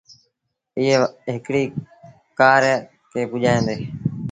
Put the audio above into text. ايئي هڪڙيٚ ڪآر کي ڀڄآيآندي۔